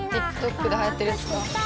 ＴｉｋＴｏｋではやってるやつか。